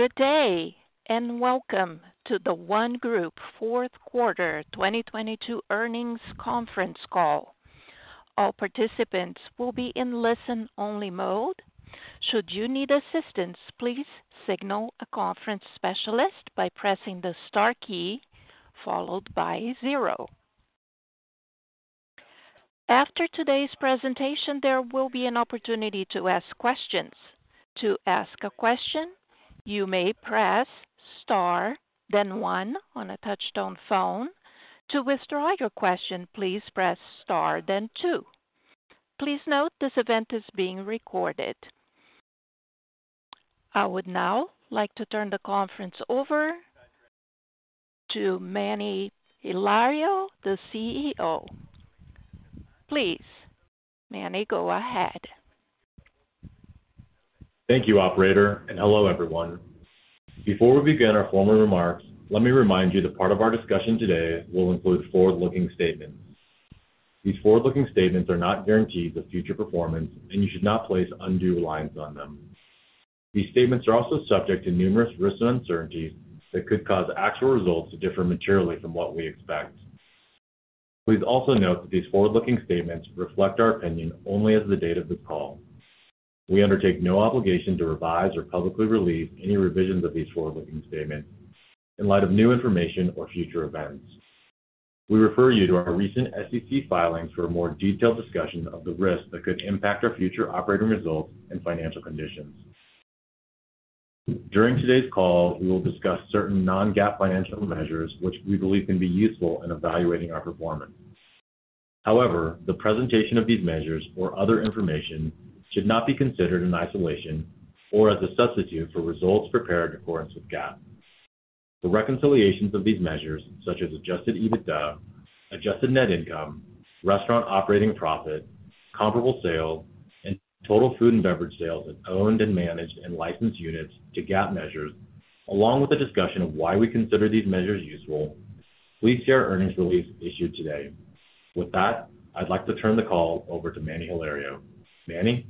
Good day, and welcome to the ONE Group Fourth Quarter 2022 Earnings Conference Call. All participants will be in listen-only mode. Should you need assistance, please signal a conference specialist by pressing the Star key followed by zero. After today's presentation, there will be an opportunity to ask questions. To ask a question, you may press Star then one on a touch-tone phone. To withdraw your question, please press Star then two. Please note this event is being recorded. I would now like to turn the conference over to Manny Hilario, the CEO. Please, Manny, go ahead. Thank you, operator. Hello, everyone. Before we begin our formal remarks, let me remind you that part of our discussion today will include forward-looking statements. These forward-looking statements are not guarantees of future performance. You should not place undue reliance on them. These statements are also subject to numerous risks and uncertainties that could cause actual results to differ materially from what we expect. Please also note that these forward-looking statements reflect our opinion only as of the date of this call. We undertake no obligation to revise or publicly release any revisions of these forward-looking statements in light of new information or future events. We refer you to our recent SEC filings for a more detailed discussion of the risks that could impact our future operating results and financial conditions. During today's call, we will discuss certain non-GAAP financial measures, which we believe can be useful in evaluating our performance. However, the presentation of these measures or other information should not be considered in isolation or as a substitute for results prepared in accordance with GAAP. The reconciliations of these measures, such as adjusted EBITDA, adjusted net income, Restaurant Operating Profit, comparable sales, and total food and beverage sales of owned and managed and licensed units to GAAP measures, along with a discussion of why we consider these measures useful, please see our earnings release issued today. With that, I'd like to turn the call over to Manny Hilario. Manny.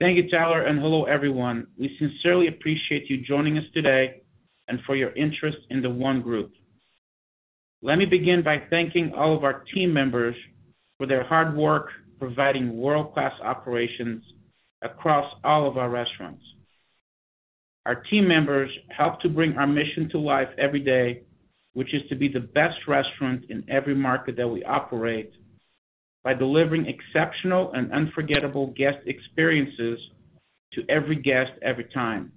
Thank you, Tyler, and hello, everyone. We sincerely appreciate you joining us today and for your interest in The ONE Group. Let me begin by thanking all of our team members for their hard work providing world-class operations across all of our restaurants. Our team members help to bring our mission to life every day, which is to be the best restaurant in every market that we operate by delivering exceptional and unforgettable guest experiences to every guest every time.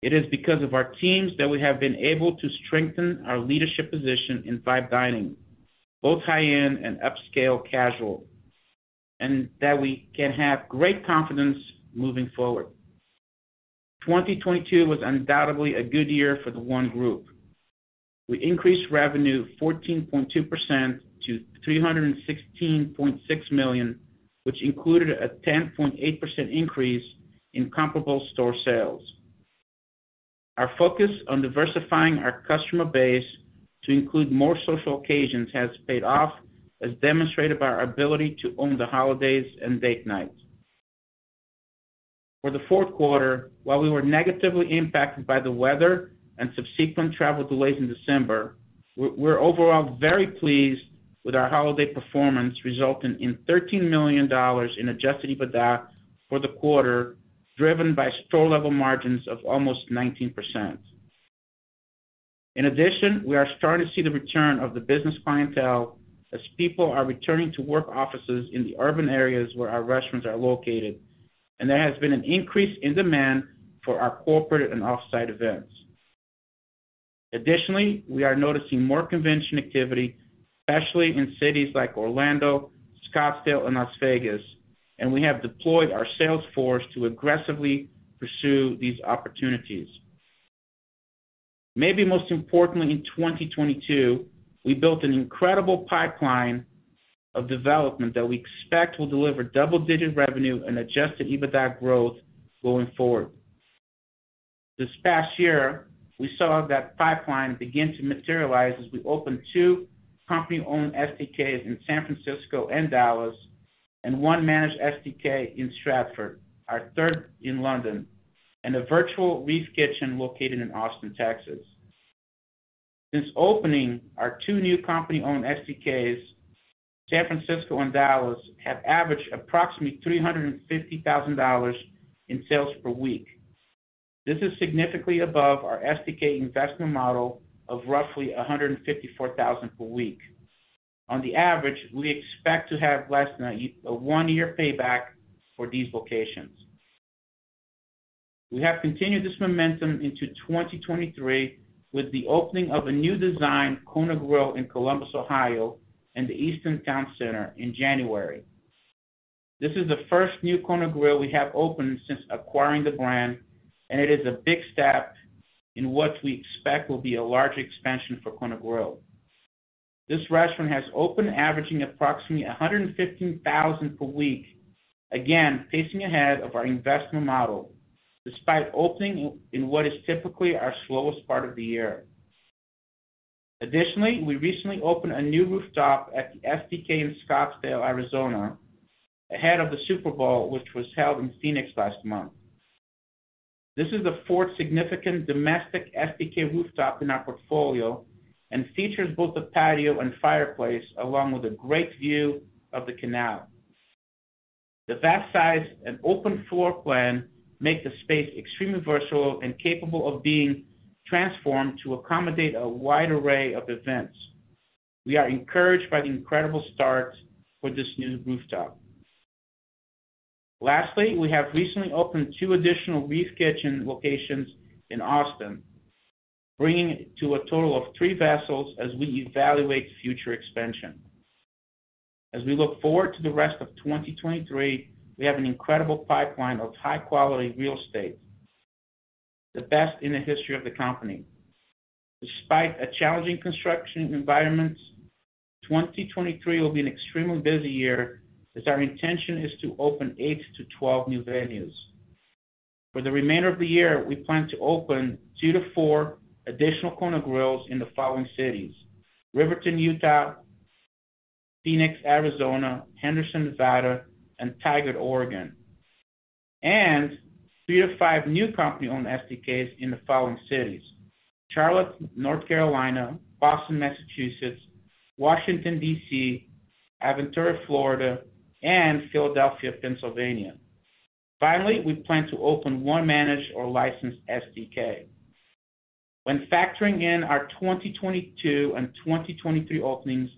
It is because of our teams that we have been able to strengthen our leadership position in fine dining, both high-end and upscale casual, and that we can have great confidence moving forward. 2022 was undoubtedly a good year for The ONE Group. We increased revenue 14.2% to $316.6 million, which included a 10.8% increase in comparable store sales. Our focus on diversifying our customer base to include more social occasions has paid off, as demonstrated by our ability to own the holidays and date nights. For the fourth quarter, while we were negatively impacted by the weather and subsequent travel delays in December, we're overall very pleased with our holiday performance, resulting in $13 million in adjusted EBITDA for the quarter, driven by store-level margins of almost 19%. In addition, we are starting to see the return of the business clientele as people are returning to work offices in the urban areas where our restaurants are located, and there has been an increase in demand for our corporate and off-site events. Additionally, we are noticing more convention activity, especially in cities like Orlando, Scottsdale, and Las Vegas, and we have deployed our sales force to aggressively pursue these opportunities. Maybe most importantly, in 2022, we built an incredible pipeline of development that we expect will deliver double-digit revenue and adjusted EBITDA growth going forward. This past year, we saw that pipeline begin to materialize as we opened two company-owned STKs in San Francisco and Dallas and one managed STK in Stratford, our third in London, and a virtual REEF Kitchens located in Austin, Texas. Since opening, our two new company-owned STKs, San Francisco and Dallas, have averaged approximately $350,000 in sales per week. This is significantly above our STK investment model of roughly $154,000 per week. On the average, we expect to have less than a one-year payback for these locations. We have continued this momentum into 2023 with the opening of a new design Kona Grill in Columbus, Ohio, in the Easton Town Center in January. This is the first new Kona Grill we have opened since acquiring the brand, and it is a big step in what we expect will be a large expansion for Kona Grill. This restaurant has opened averaging approximately $115,000 per week, again, pacing ahead of our investment model despite opening in what is typically our slowest part of the year. Additionally, we recently opened a new rooftop at the STK in Scottsdale, Arizona, ahead of the Super Bowl, which was held in Phoenix last month. This is the fourth significant domestic STK rooftop in our portfolio and features both a patio and fireplace, along with a great view of the canal. The vast size and open floor plan make the space extremely versatile and capable of being transformed to accommodate a wide array of events. We are encouraged by the incredible start for this new rooftop. We have recently opened two additional REEF Kitchens locations in Austin, bringing it to a total of three vessels as we evaluate future expansion. We look forward to the rest of 2023, we have an incredible pipeline of high-quality real estate, the best in the history of the company. Despite a challenging construction environment, 2023 will be an extremely busy year as our intention is to open eight-12 new venues. For the remainder of the year, we plan to open two-four additional Kona Grill in the following cities: Riverton, Utah; Phoenix, Arizona; Henderson, Nevada; and Tigard, Oregon. Three to five new company-owned STKs in the following cities: Charlotte, North Carolina; Boston, Massachusetts; Washington, D.C.; Aventura, Florida; and Philadelphia, Pennsylvania. Finally, we plan to open one managed or licensed STK. When factoring in our 2022 and 2023 openings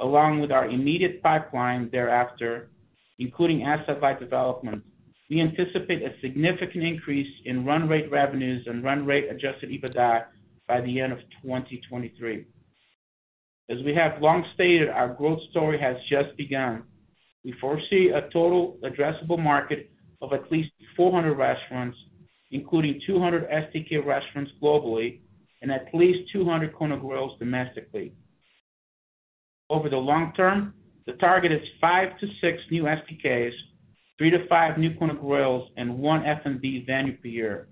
along with our immediate pipeline thereafter, including asset light development, we anticipate a significant increase in run rate revenues and run rate adjusted EBITDA by the end of 2023. As we have long stated, our growth story has just begun. We foresee a total addressable market of at least 400 restaurants, including 200 STK restaurants globally and at least 200 Kona Grill domestically. Over the long term, the target is five-six new STKs, three-five new Kona Grill, and one F&B venue per year.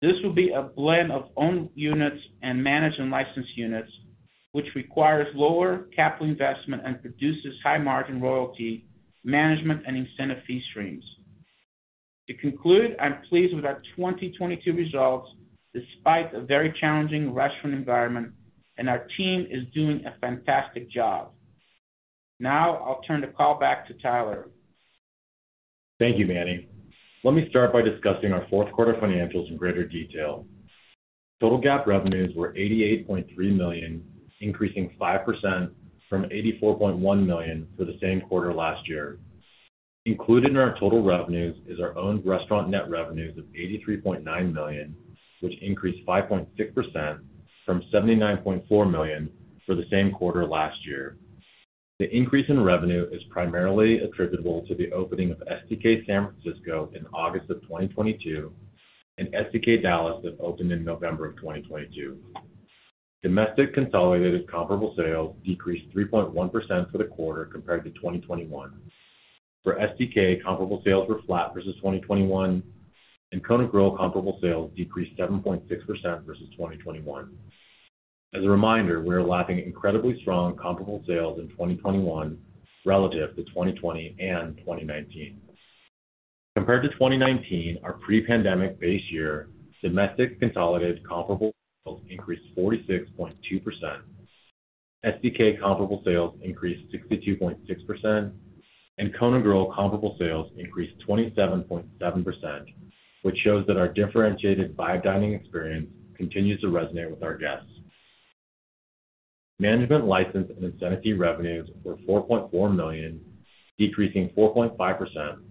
This will be a blend of owned units and managed and licensed units, which requires lower capital investment and produces high margin royalty, management, and incentive fee streams. To conclude, I'm pleased with our 2022 results despite a very challenging restaurant environment. Our team is doing a fantastic job. Now, I'll turn the call back to Tyler. Thank you, Manny. Let me start by discussing our fourth quarter financials in greater detail. Total GAAP revenues were $88.3 million, increasing 5% from $84.1 million for the same quarter last year. Included in our total revenues is our own restaurant net revenues of $83.9 million, which increased 5.6% from $79.4 million for the same quarter last year. The increase in revenue is primarily attributable to the opening of STK San Francisco in August of 2022 and STK Dallas that opened in November of 2022. Domestic consolidated comparable sales decreased 3.1% for the quarter compared to 2021. For STK, comparable sales were flat versus 2021, and Kona Grill comparable sales decreased 7.6% versus 2021. As a reminder, we are lapping incredibly strong comparable sales in 2021 relative to 2020 and 2019. Compared to 2019, our pre-pandemic base year domestic consolidated comparable sales increased 46.2%. STK comparable sales increased 62.6%, and Kona Grill comparable sales increased 27.7%, which shows that our differentiated Vibe Dining experience continues to resonate with our guests. Management license and incentive fee revenues were $4.4 million, decreasing 4.5%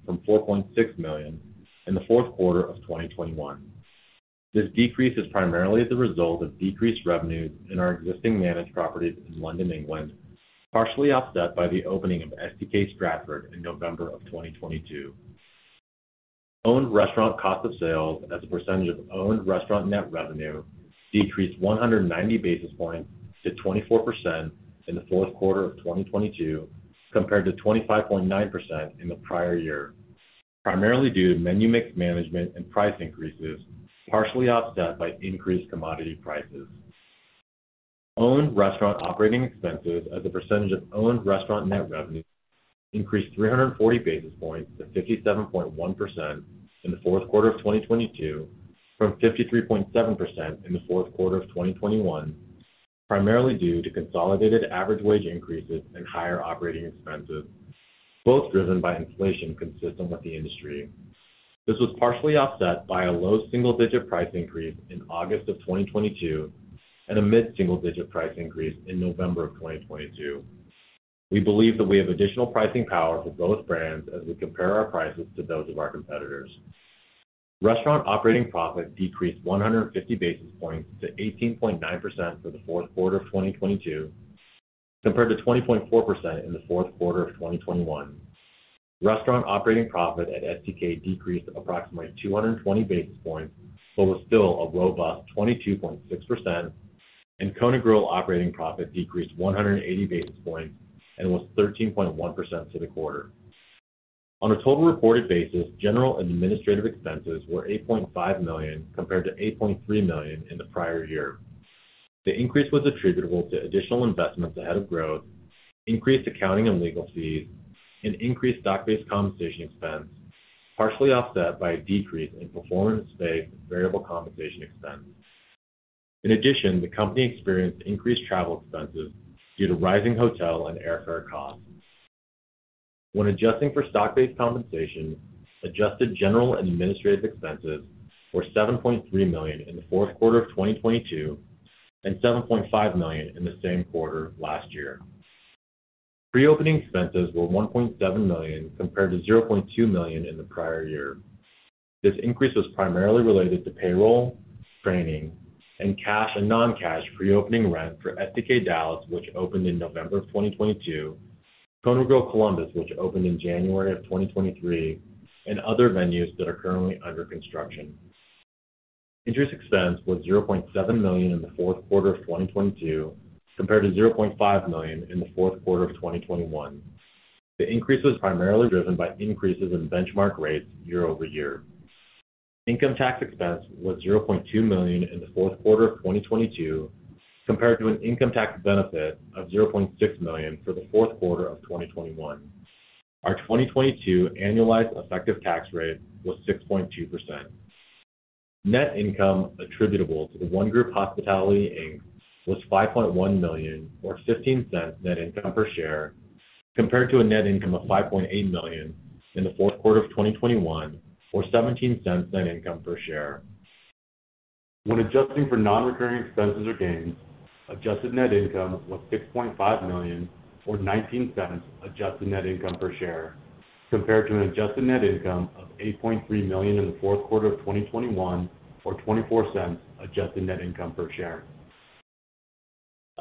from $4.6 million in the fourth quarter of 2021. This decrease is primarily as a result of decreased revenues in our existing managed properties in London, England, partially offset by the opening of STK Stratford in November of 2022. Owned restaurant cost of sales as a percentage of owned restaurant net revenue decreased 190 basis points to 24% in the fourth quarter of 2022, compared to 25.9% in the prior year, primarily due to menu mix management and price increases, partially offset by increased commodity prices. Owned restaurant operating expenses as a percentage of owned restaurant net revenue increased 340 basis points to 57.1% in the fourth quarter of 2022 from 53.7% in the fourth quarter of 2021, primarily due to consolidated average wage increases and higher operating expenses, both driven by inflation consistent with the industry. This was partially offset by a low single-digit price increase in August of 2022 and a mid-single digit price increase in November of 2022. We believe that we have additional pricing power for both brands as we compare our prices to those of our competitors. Restaurant Operating Profit decreased 150 basis points to 18.9% for the fourth quarter of 2022, compared to 20.4% in the fourth quarter of 2021. Restaurant Operating Profit at STK decreased approximately 220 basis points, but was still a robust 22.6%, and Kona Grill Operating Profit decreased 180 basis points and was 13.1% for the quarter. On a total reported basis, general and administrative expenses were $8.5 million, compared to $8.3 million in the prior year. The increase was attributable to additional investments ahead of growth, increased accounting and legal fees, and increased stock-based compensation expense, partially offset by a decrease in performance-based variable compensation expense. In addition, the company experienced increased travel expenses due to rising hotel and airfare costs. When adjusting for stock-based compensation, adjusted general and administrative expenses were $7.3 million in the fourth quarter of 2022, and $7.5 million in the same quarter last year. Pre-opening expenses were $1.7 million compared to $0.2 million in the prior year. This increase was primarily related to payroll, training, and cash and non-cash pre-opening rent for STK Dallas, which opened in November of 2022, Kona Grill Columbus, which opened in January of 2023, and other venues that are currently under construction. Interest expense was $0.7 million in the fourth quarter of 2022, compared to $0.5 million in the fourth quarter of 2021. The increase was primarily driven by increases in benchmark rates year-over-year. Income tax expense was $0.2 million in the fourth quarter of 2022, compared to an income tax benefit of $0.6 million for the fourth quarter of 2021. Our 2022 annualized effective tax rate was 6.2%. Net income attributable to The ONE Group Hospitality, Inc. was $5.1 million, or $0.15 net income per share, compared to a net income of $5.8 million in the fourth quarter of 2021, or $0.17 net income per share. When adjusting for non-recurring expenses or gains, adjusted net income was $6.5 million or $0.19 adjusted net income per share, compared to an adjusted net income of $8.3 million in the fourth quarter of 2021 or $0.24 adjusted net income per share.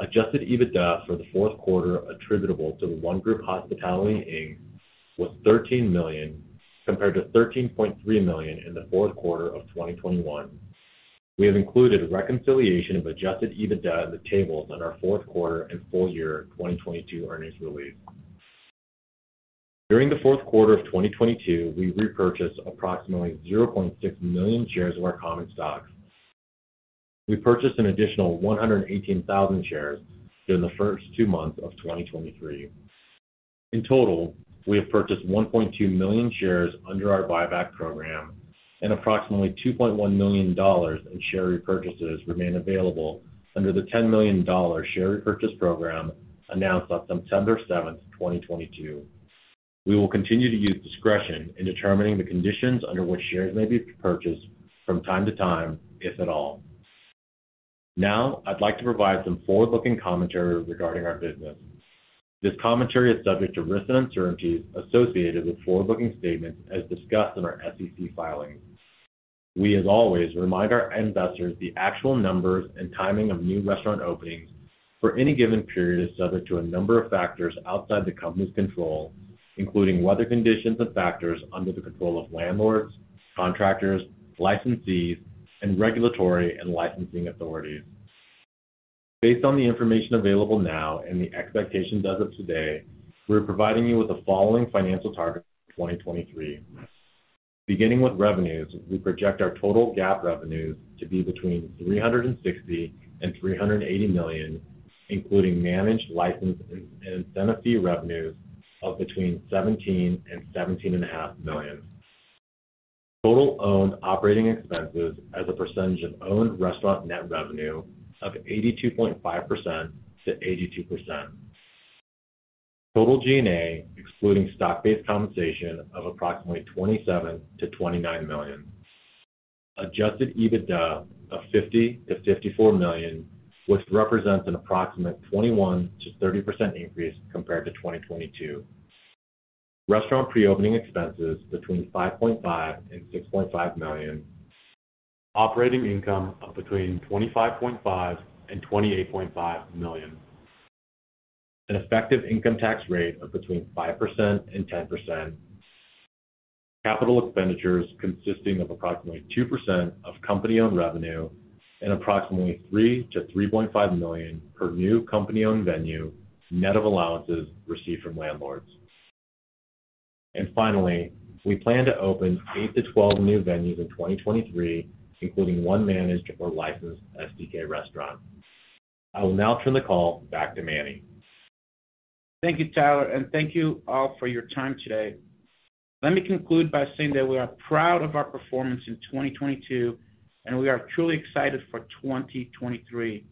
Adjusted EBITDA for the fourth quarter attributable to The ONE Group Hospitality, Inc. was $13 million compared to $13.3 million in the fourth quarter of 2021. We have included a reconciliation of adjusted EBITDA in the tables on our fourth quarter and full year 2022 earnings release. During the fourth quarter of 2022, we repurchased approximately 0.6 million shares of our common stock. We purchased an additional 118,000 shares during the first two months of 2023. In total, we have purchased 1.2 million shares under our buyback program, and approximately $2.1 million in share repurchases remain available under the $10 million share repurchase program announced on September 7th, 2022. We will continue to use discretion in determining the conditions under which shares may be purchased from time to time, if at all. Now, I'd like to provide some forward-looking commentary regarding our business. This commentary is subject to risks and uncertainties associated with forward-looking statements as discussed in our SEC filings. We, as always, remind our investors the actual numbers and timing of new restaurant openings for any given period is subject to a number of factors outside the company's control, including weather conditions and factors under the control of landlords, contractors, licensees, and regulatory and licensing authorities. Based on the information available now and the expectations as of today, we're providing you with the following financial targets for 2023. Beginning with revenues, we project our total GAAP revenues to be between $360 million and $380 million, including managed license and incentive fee revenues of between $17 million and $17.5 million. Total owned operating expenses as a percentage of owned restaurant net revenue of 82.5%-82%. Total G&A, excluding stock-based compensation of approximately $27 million-$29 million. Adjusted EBITDA of $50 million-$54 million, which represents an approximate 21%-30% increase compared to 2022. Restaurant pre-opening expenses between $5.5 million and $6.5 million. Operating income of between $25.5 million and $28.5 million. An effective income tax rate of between 5% and 10%. Capital expenditures consisting of approximately 2% of company-owned revenue and approximately $3 million-$3.5 million per new company-owned venue, net of allowances received from landlords. Finally, we plan to open 8-12 new venues in 2023, including one managed or licensed STK restaurant. I will now turn the call back to Manny. Thank you, Tyler, and thank you all for your time today. Let me conclude by saying that we are proud of our performance in 2022, and we are truly excited for 2023.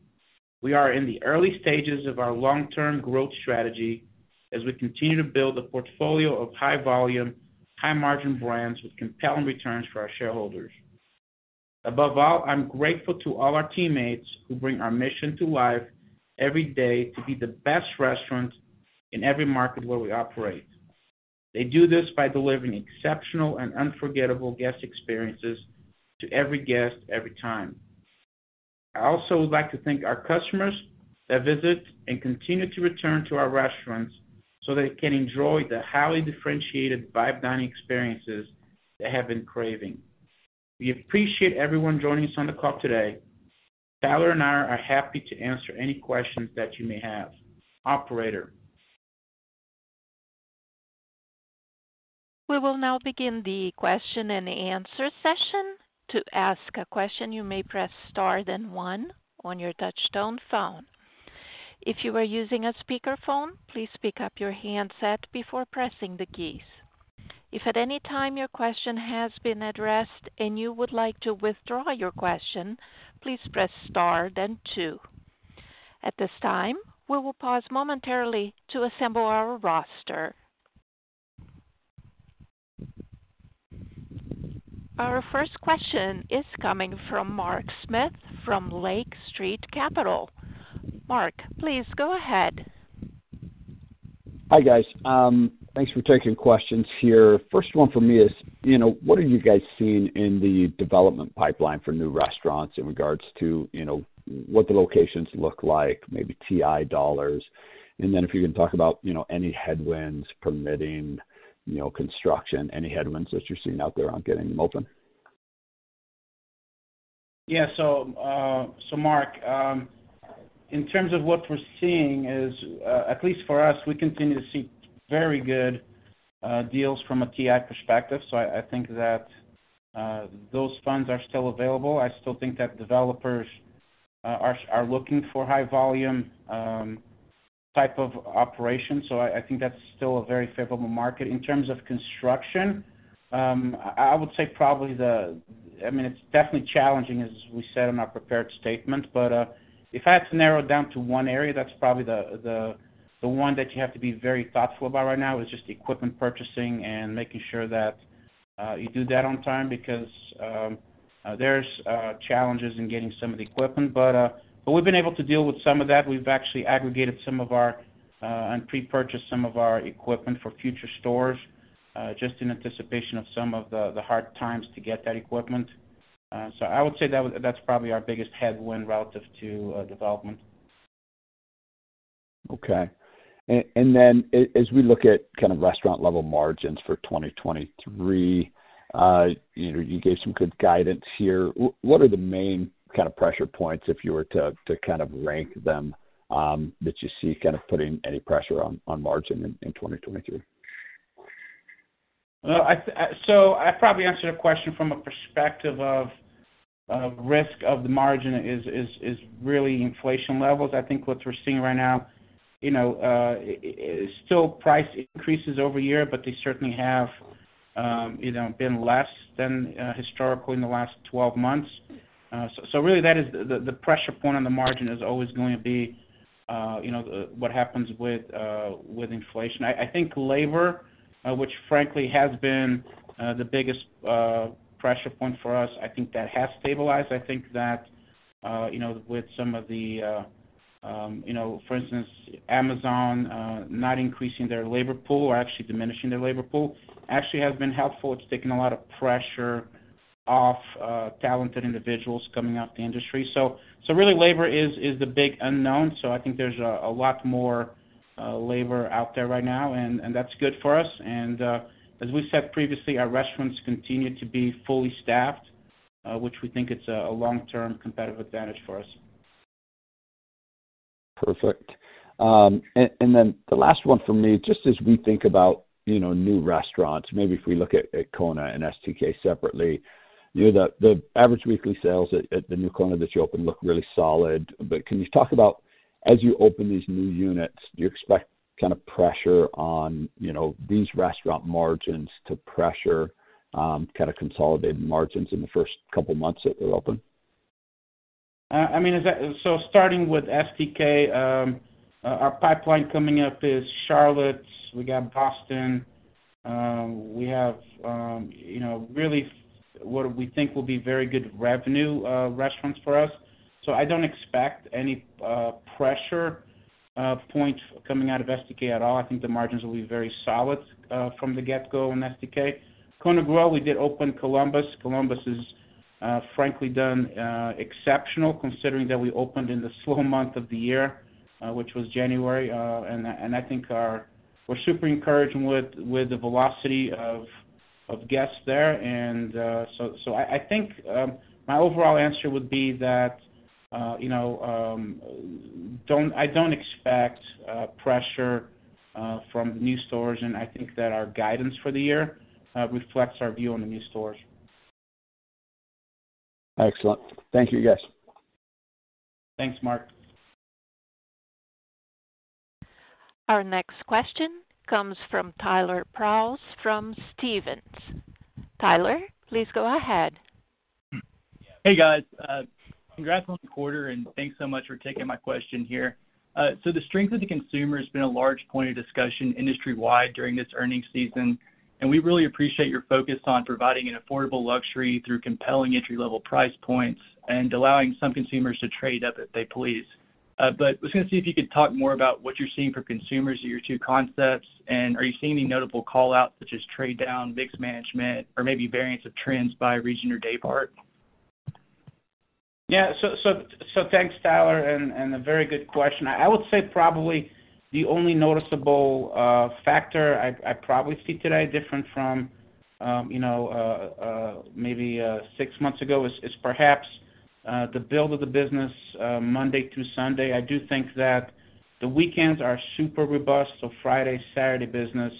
We are in the early stages of our long-term growth strategy as we continue to build a portfolio of high volume, high margin brands with compelling returns for our shareholders. Above all, I'm grateful to all our teammates who bring our mission to life every day to be the best restaurant in every market where we operate. They do this by delivering exceptional and unforgettable guest experiences to every guest every time. I also would like to thank our customers that visit and continue to return to our restaurants so they can enjoy the highly differentiated Vibe Dining experiences they have been craving. We appreciate everyone joining us on the call today. Tyler and I are happy to answer any questions that you may have. Operator? We will now begin the question and answer session. To ask a question, you may press Star then One on your touchtone phone. If you are using a speakerphone, please pick up your handset before pressing the keys. If at any time your question has been addressed and you would like to withdraw your question, please press Star then Two. At this time, we will pause momentarily to assemble our roster. Our first question is coming from Mark Smith from Lake Street Capital. Mark, please go ahead. Hi, guys. Thanks for taking questions here. First one for me is, you know, what are you guys seeing in the development pipeline for new restaurants in regards to, you know, what the locations look like, maybe TI dollars? If you can talk about, you know, any headwinds permitting, you know, construction, any headwinds that you're seeing out there on getting them open. Yeah. Mark, in terms of what we're seeing is, at least for us, we continue to see very good deals from a TI perspective. I think that those funds are still available. I still think that developers are looking for high volume type of operations. I think that's still a very favorable market. In terms of construction, I would say probably the I mean, it's definitely challenging as we said in our prepared statement. If I had to narrow it down to one area, that's probably the one that you have to be very thoughtful about right now is just the equipment purchasing and making sure that you do that on time because there's challenges in getting some of the equipment. We've been able to deal with some of that. We've actually aggregated some of our, and pre-purchased some of our equipment for future stores, just in anticipation of some of the hard times to get that equipment. I would say that that's probably our biggest headwind relative to development. Okay. Then as we look at kind of restaurant level margins for 2023, you know, you gave some good guidance here. What are the main kind of pressure points if you were to kind of rank them, that you see kind of putting any pressure on margin in 2023? So I probably answered a question from a perspective of risk of the margin is really inflation levels. I think what we're seeing right now, you know, is still price increases over year, but they certainly have, you know, been less than historically in the last 12 months. Really that is the pressure point on the margin is always going to be, you know, what happens with inflation. I think labor, which frankly has been the biggest pressure point for us, I think that has stabilized. I think that, you know, with some of the, you know, for instance, Amazon, not increasing their labor pool or actually diminishing their labor pool actually has been helpful. It's taken a lot of pressure off talented individuals coming out the industry. Really labor is the big unknown. I think there's a lot more labor out there right now, and that's good for us. As we said previously, our restaurants continue to be fully staffed, which we think it's a long-term competitive advantage for us. Perfect. And then the last one for me, just as we think about, you know, new restaurants, maybe if we look at Kona and STK separately, you know, the average weekly sales at the new Kona that you opened look really solid. Can you talk about as you open these new units, do you expect kind of pressure on, you know, these restaurant margins to pressure kind of consolidated margins in the first couple months that they're open? I mean, starting with STK, our pipeline coming up is Charlotte. We got Boston. We have, you know, really what we think will be very good revenue restaurants for us. I don't expect any pressure points coming out of STK at all. I think the margins will be very solid from the get-go in STK. Kona Grill, we did open Columbus. Columbus has frankly done exceptional considering that we opened in the slow month of the year, which was January. I think we're super encouraged with the velocity of guests there. I think my overall answer would be that, you know, I don't expect pressure from new stores, and I think that our guidance for the year reflects our view on the new stores. Excellent. Thank you, guys. Thanks, Mark. Our next question comes from Tyler Prause from Stephens. Tyler, please go ahead. Hey, guys. Congrats on the quarter, and thanks so much for taking my question here. The strength of the consumer has been a large point of discussion industry-wide during this earnings season, and we really appreciate your focus on providing an affordable luxury through compelling entry-level price points and allowing some consumers to trade up if they please. I was gonna see if you could talk more about what you're seeing for consumers at your two concepts. Are you seeing any notable call-outs such as trade down, mix management, or maybe variance of trends by region or day part? Tyler the only noticeable factor I probably see today different from, you know, maybe six months ago is perhaps the build of the business Monday through Sunday. I do think that the weekends are super robust, so Friday, Saturday business,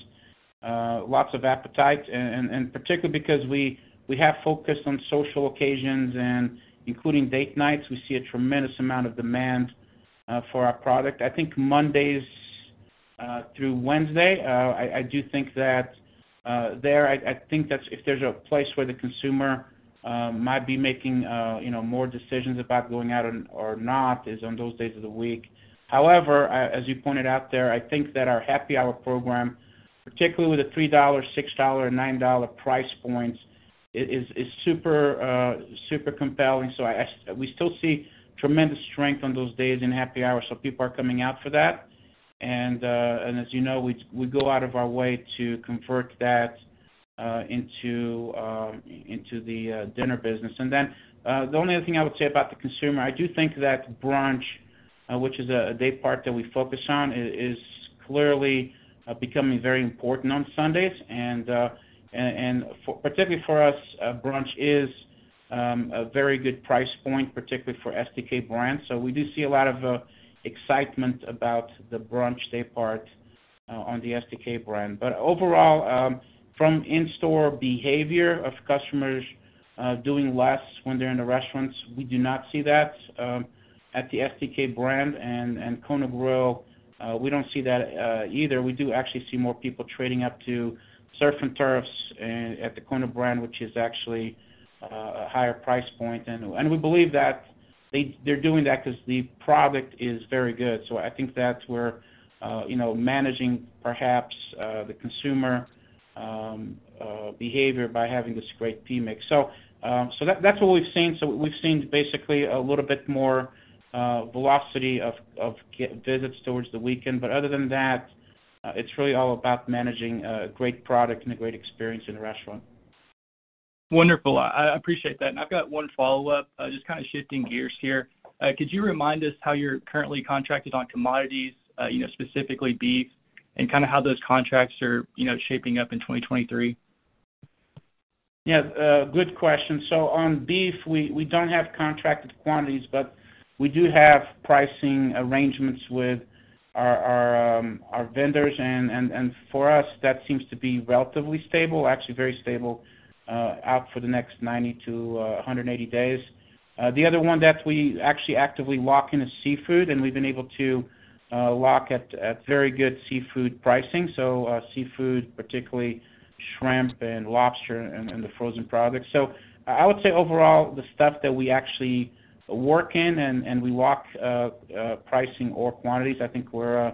lots of appetite and particularly because we have focused on social occasions and including date nights, we see a tremendous amount of demand for our product. I think Mondays through Wednesday, I do think that there, I think that's if there's a place where the consumer might be making, you know, more decisions about going out or not, is on those days of the week As you pointed out there, I think that our happy hour program, particularly with the $3, $6, and $9 price points is super compelling. We still see tremendous strength on those days in happy hour, so people are coming out for that. As you know, we go out of our way to convert that into the dinner business. The only other thing I would say about the consumer, I do think that brunch, which is a day part that we focus on, is clearly becoming very important on Sundays. Particularly for us, brunch is a very good price point, particularly for STK brands. We do see a lot of excitement about the brunch day part on the STK brand. Overall, from in-store behavior of customers, doing less when they're in the restaurants, we do not see that at the STK brand and Kona Grill, we don't see that either. We do actually see more people trading up to surf and turfs at the Kona brand, which is actually a higher price point. And we believe that they're doing that because the product is very good. I think that's where, you know, managing perhaps the consumer behavior by having this great PMix. That's what we've seen. We've seen basically a little bit more velocity of visits towards the weekend. Other than that, it's really all about managing a great product and a great experience in the restaurant. Wonderful. I appreciate that. I've got one follow-up. Just kind of shifting gears here. Could you remind us how you're currently contracted on commodities, you know, specifically beef, and kind of how those contracts are, you know, shaping up in 2023? Yeah, good question. On beef, we don't have contracted quantities, but we do have pricing arrangements with our vendors. For us, that seems to be relatively stable, actually very stable, out for the next 90-180 days. The other one that we actually actively lock in is seafood, and we've been able to lock at very good seafood pricing. Seafood, particularly shrimp and lobster and the frozen products. I would say overall, the stuff that we actually work in and we lock pricing or quantities, I think we're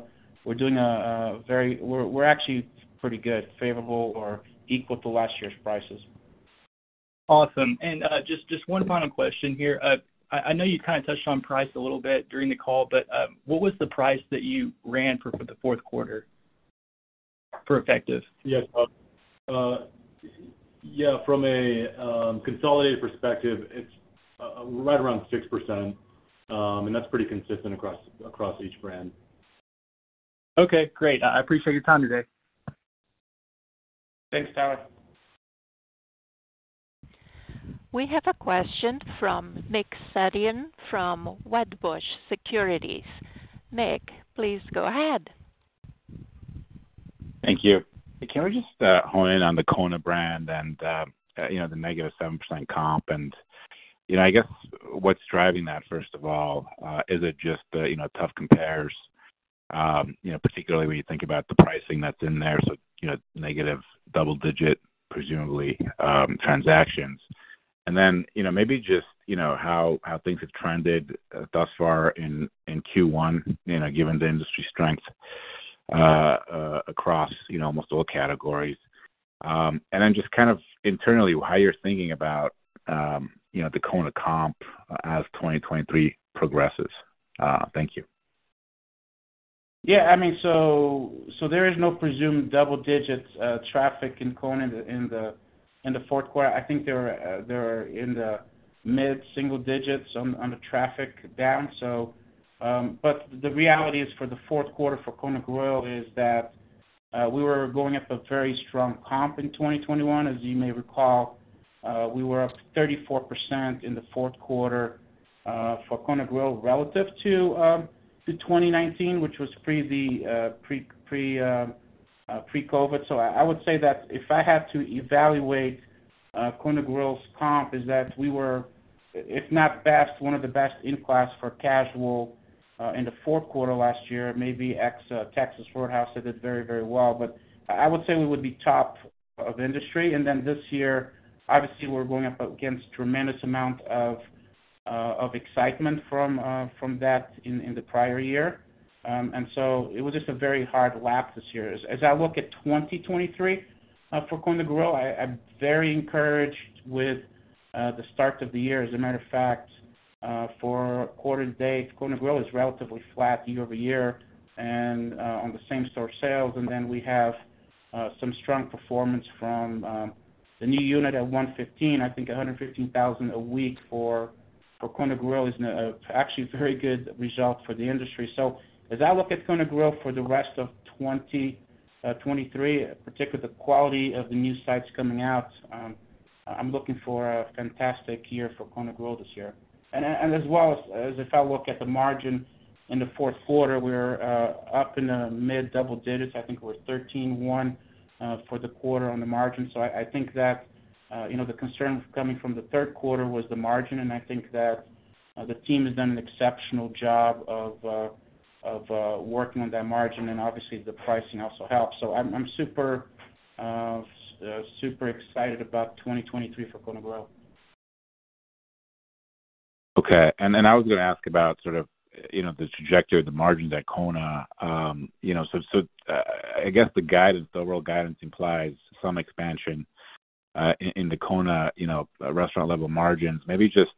actually pretty good, favorable or equal to last year's prices. Awesome. Just one final question here. I know you kind of touched on price a little bit during the call, but what was the price that you ran for the fourth quarter for effective? Yes. yeah, from a consolidated perspective, it's right around 6%, and that's pretty consistent across each brand. Okay, great. I appreciate your time today. Thanks, Tyler. We have a question from Nick Setyan from Wedbush Securities. Nick, please go ahead. Thank you. Can we just hone in on the Kona brand and, you know, the -7% comp? You know, I guess what's driving that, first of all, is it just the, you know, tough compares, you know, particularly when you think about the pricing that's in there, so, you know, -double digit, presumably, transactions. You know, maybe just, you know, how things have trended thus far in Q1, you know, given the industry strength across, you know, almost all categories. Just kind of internally how you're thinking about, you know, the Kona comp as 2023 progresses. Thank you. Yeah, I mean, so there is no presumed double digits traffic in Kona in the fourth quarter. I think they're in the mid-single digits on the traffic down. The reality is for the fourth quarter for Kona Grill is that we were going up a very strong comp in 2021. As you may recall, we were up 34% in the fourth quarter for Kona Grill relative to 2019, which was pre-COVID. I would say that if I had to evaluate Kona Grill's comp is that we were, if not best, one of the best in class for casual in the fourth quarter last year, maybe ex Texas Roadhouse that did very, very well. I would say we would be top of industry. This year, obviously, we're going up against tremendous amount of excitement from that in the prior year. It was just a very hard lap this year. As I look at 2023 for Kona Grill, I'm very encouraged with the start of the year. As a matter of fact, for quarter to date, Kona Grill is relatively flat year-over-year and on the same store sales. Then we have some strong performance from the new unit at $115,000. I think $115,000 a week for Kona Grill is actually very good results for the industry. As I look at Kona Grill for the rest of 2023, particularly the quality of the new sites coming out, I'm looking for a fantastic year for Kona Grill this year. As well as if I look at the margin in the fourth quarter, we're up in the mid double digits. I think we're 13.1% for the quarter on the margin. I think that, you know, the concern coming from the third quarter was the margin, and I think that the team has done an exceptional job of working on that margin, and obviously the pricing also helps. I'm super excited about 2023 for Kona Grill. Okay. I was gonna ask about sort of, you know, the trajectory of the margins at Kona. You know, I guess the guidance, the overall guidance implies some expansion in the Kona, you know, restaurant level margins. Maybe just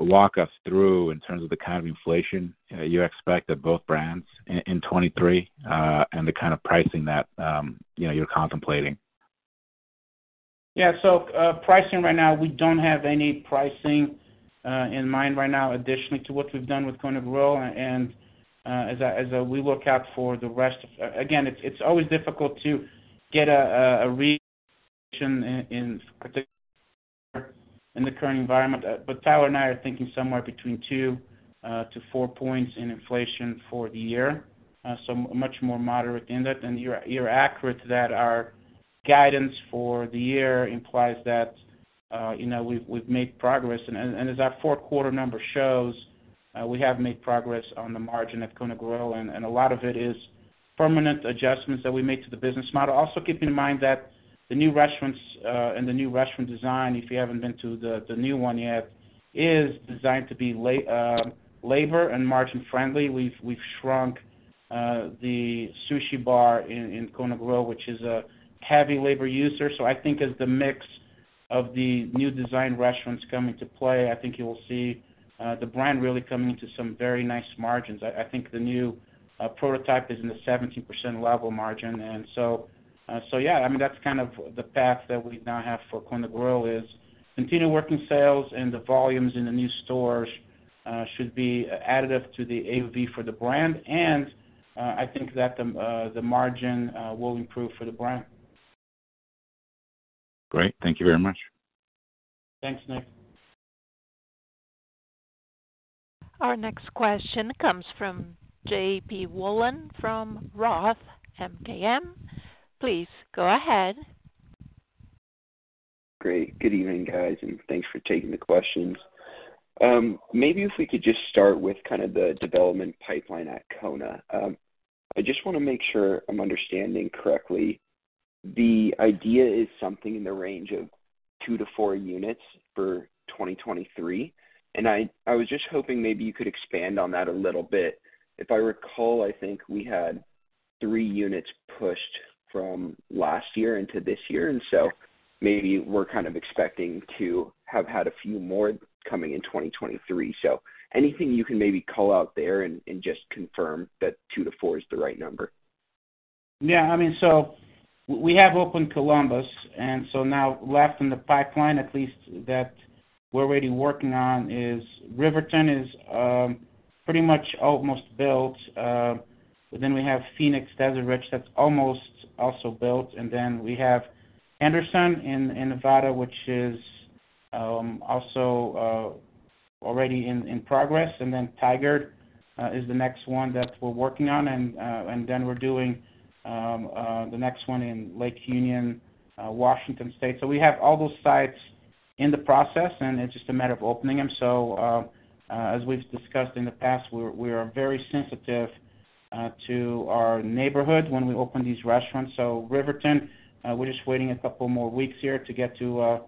walk us through in terms of the kind of inflation you expect of both brands in 2023 and the kind of pricing that, you know, you're contemplating. Pricing right now, we don't have any pricing in mind right now additionally to what we've done with Kona Grill. As I we look out for the rest of. Again, it's always difficult to get in particular in the current environment. Tyler and I are thinking somewhere between 2%-4% in inflation for the year, so much more moderate in that. You're accurate that our guidance for the year implies that, you know, we've made progress. As our fourth quarter number shows, we have made progress on the margin at Kona Grill, and a lot of it is permanent adjustments that we make to the business model. Also keep in mind that the new restaurants, and the new restaurant design, if you haven't been to the new one yet, is designed to be labor and margin friendly. We've shrunk the sushi bar in Kona Grill, which is a heavy labor user. I think as the mix of the new design restaurants come into play, I think you will see the brand really coming to some very nice margins. I think the new prototype is in the 70% level margin. yeah, I mean, that's kind of the path that we now have for Kona Grill is continued working sales and the volumes in the new stores should be additive to the AOV for the brand. I think that the margin will improve for the brand. Great. Thank you very much. Thanks, Nick. Our next question comes from JP Woollen from ROTH MKM. Please go ahead. Great. Good evening, guys, and thanks for taking the questions. Maybe if we could just start with kind of the development pipeline at Kona. I just wanna make sure I'm understanding correctly. The idea is something in the range of two-four units for 2023. I was just hoping maybe you could expand on that a little bit. If I recall, I think we had three units pushed from last year into this year, and so maybe we're kind of expecting to have had a few more coming in 2023. Anything you can maybe call out there and just confirm that two-four is the right number? I mean, we have opened Columbus, now left in the pipeline, at least that we're already working on, is Riverton is pretty much almost built. We have Phoenix, Desert Ridge that's almost also built. Then we have Henderson in Nevada, which is also already in progress. Then Tigard is the next one that we're working on. Then we're doing the next one in Lake Union, Washington State. We have all those sites in the process, and it's just a matter of opening them. As we've discussed in the past, we are very sensitive to our neighborhood when we open these restaurants. Riverton, we're just waiting a couple more weeks here to get to a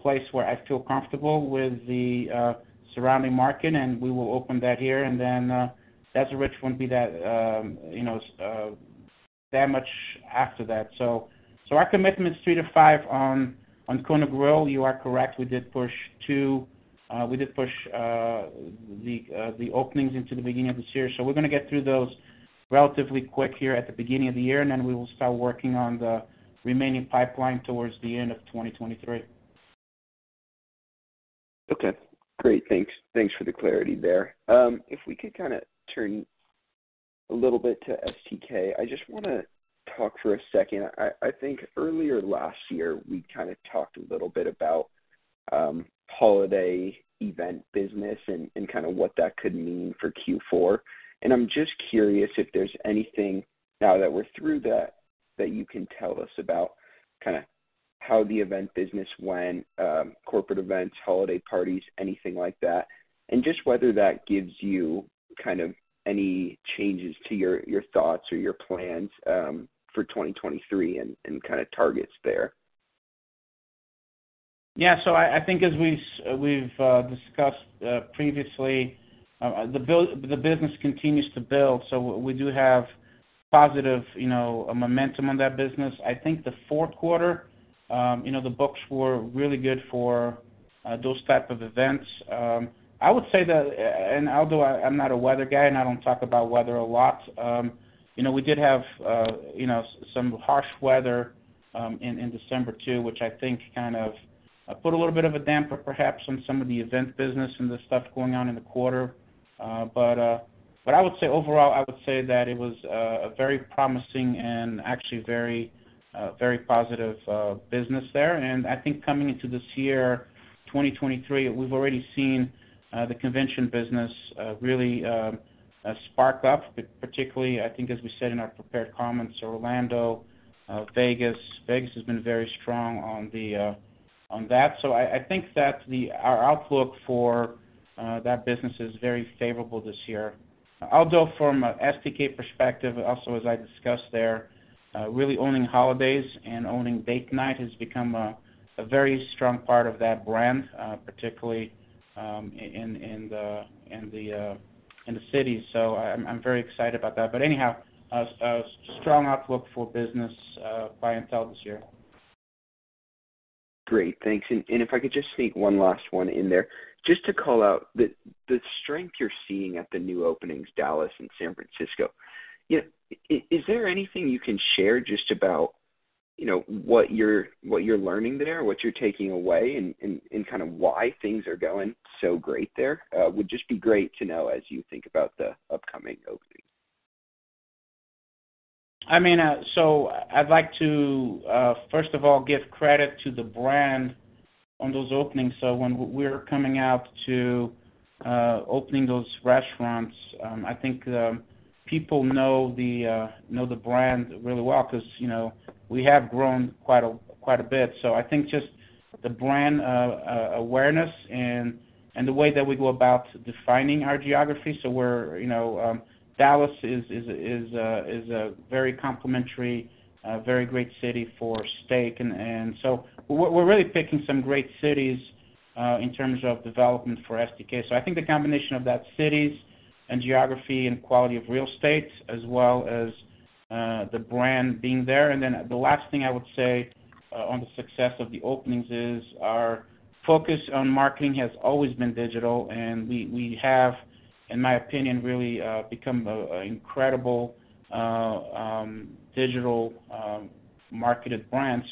place where I feel comfortable with the surrounding market, and we will open that here. Desert Ridge wouldn't be that, you know, that much after that. Our commitment is three-five on Kona Grill. You are correct, we did push two. We did push the openings into the beginning of this year. We're gonna get through those relatively quick here at the beginning of the year, and then we will start working on the remaining pipeline towards the end of 2023. Okay, great. Thanks. Thanks for the clarity there. If we could kind of turn a little bit to STK, I just want to talk for a second. I think earlier last year, we kind of talked a little bit about holiday event business and kind of what that could mean for Q4. I'm just curious if there's anything now that we're through that you can tell us about kind of how the event business went, corporate events, holiday parties, anything like that. Just whether that gives you kind of any changes to your thoughts or your plans for 2023 and kind of targets there. Yeah. I think as we've discussed previously, the business continues to build, so we do have positive, you know, momentum on that business. I think the fourth quarter, you know, the books were really good for those type of events. I would say that and although I'm not a weather guy and I don't talk about weather a lot, you know, we did have, you know, some harsh weather. In December too, which I think kind of put a little bit of a damper perhaps on some of the event business and the stuff going on in the quarter. I would say overall, I would say that it was a very promising and actually very positive business there. I think coming into this year, 2023, we've already seen the convention business really spark up, particularly, I think as we said in our prepared comments, Orlando, Vegas. Vegas has been very strong on that. I think that Our outlook for that business is very favorable this year. Although from a STK perspective, also as I discussed there, really owning holidays and owning date night has become a very strong part of that brand, particularly in the city. I'm very excited about that. Anyhow, a strong outlook for business by Intel this year. Great. Thanks. If I could just sneak one last one in there. Just to call out the strength you're seeing at the new openings, Dallas and San Francisco, you know, is there anything you can share just about, you know, what you're, what you're learning there, what you're taking away and kind of why things are going so great there? Would just be great to know as you think about the upcoming openings. I mean, I'd like to first of all, give credit to the brand on those openings. When we're coming out to opening those restaurants, I think people know the brand really well, 'cause, you know, we have grown quite a bit. I think just the brand awareness and the way that we go about defining our geography. We're, you know, Dallas is a very complementary, very great city for steak. We're really picking some great cities in terms of development for STK. I think the combination of that cities and geography and quality of real estate as well as the brand being there. The last thing I would say on the success of the openings is our focus on marketing has always been digital, and we have, in my opinion, really become a incredible digital marketed brand.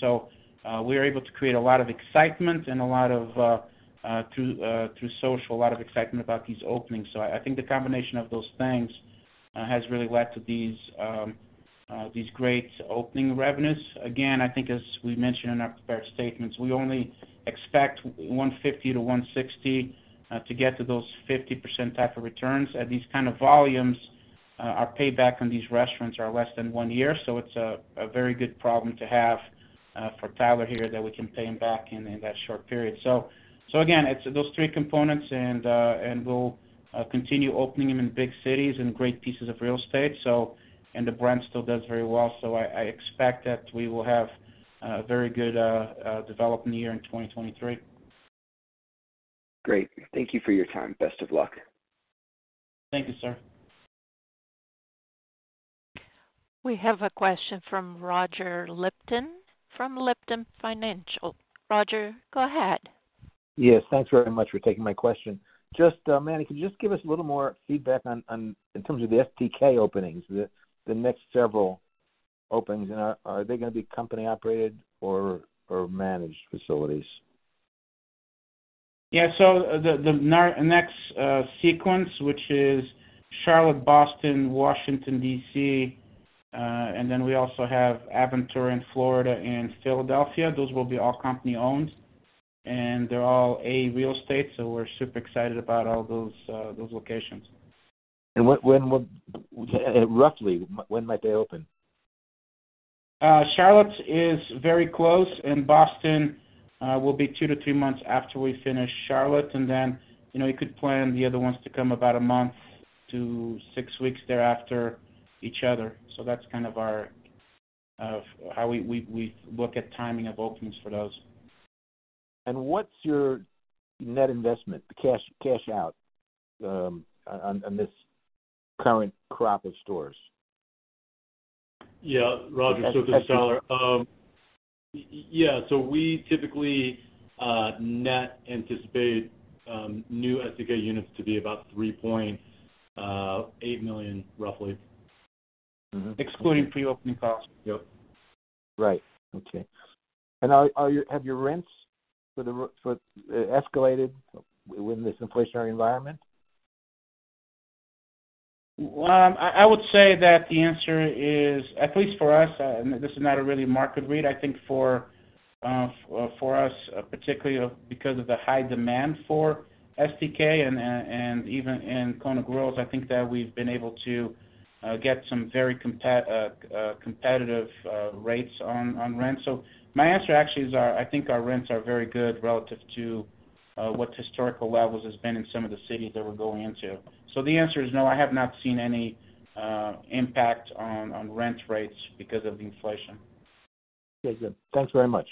We are able to create a lot of excitement and a lot of through social, a lot of excitement about these openings. I think the combination of those things has really led to these great opening revenues. Again, I think as we mentioned in our prepared statements, we only expect $150-$160 to get to those 50% type of returns. At these kind of volumes, our payback on these restaurants are less than one year, so it's a very good problem to have for Tyler here that we can pay him back in that short period. Again, it's those three components and we'll continue opening them in big cities and great pieces of real estate. The brand still does very well. I expect that we will have a very good development year in 2023. Great. Thank you for your time. Best of luck. Thank you, sir. We have a question from Roger Lipton from Lipton Financial. Roger, go ahead. Yes, thanks very much for taking my question. Just, Manny, can you just give us a little more feedback on in terms of the STK openings, the next several openings, are they gonna be company operated or managed facilities? Yeah. The next sequence, which is Charlotte, Boston, Washington D.C., and then we also have Aventura in Florida and Philadelphia, those will be all company owned, and they're all A real estate, so we're super excited about all those locations. Roughly when might they open? Charlotte is very close. Boston will be two-three months after we finish Charlotte. Then, you know, you could plan the other ones to come about one month-six weeks thereafter each other. That's kind of our, of how we look at timing of openings for those. What's your net investment, the cash out, on this current crop of stores? Yeah. Roger, this is Tyler. We typically net anticipate new STK units to be about $3.8 million, roughly. Mm-hmm. Excluding pre-opening costs. Yep. Right. Okay. Have your rents escalated with this inflationary environment? I would say that the answer is, at least for us, and this is not a really market read, I think for us, particularly because of the high demand for STK and even in Kona Grill's, I think that we've been able to get some very competitive rates on rent. My answer actually is our, I think our rents are very good relative to what historical levels has been in some of the cities that we're going into. The answer is no, I have not seen any impact on rent rates because of the inflation. Okay, good. Thanks very much.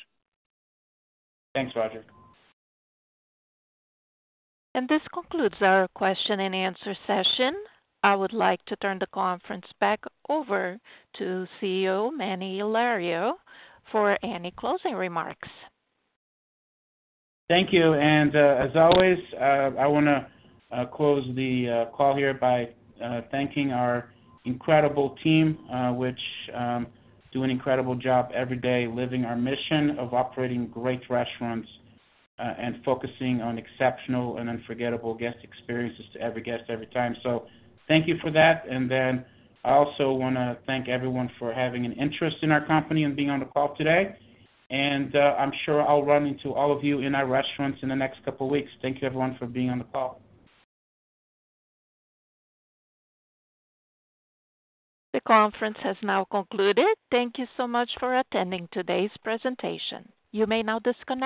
Thanks, Roger. This concludes our Question-and-Answer session. I would like to turn the conference back over to CEO Manny Hilario for any closing remarks. Thank you. As always, I wanna close the call here by thanking our incredible team, which do an incredible job every day, living our mission of operating great restaurants, and focusing on exceptional and unforgettable guest experiences to every guest, every time. Thank you for that. I also wanna thank everyone for having an interest in our company and being on the call today. I'm sure I'll run into all of you in our restaurants in the next couple weeks. Thank you everyone for being on the call. The conference has now concluded. Thank you so much for attending today's presentation. You may now disconnect.